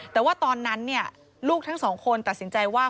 แต่ว่าตอนนั้นลูกทั้งสองคนตัดสินใจว่า